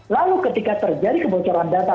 lalu ketika terjadi kebocoran data